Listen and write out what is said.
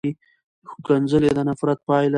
ښکنځلې د نفرت پایله ده.